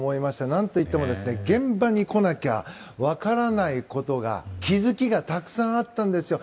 何といっても現場に来なきゃ分からないこと気づきがたくさんあったんですよ。